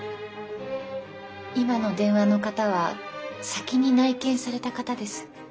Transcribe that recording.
今の電話の方は先に内見された方です。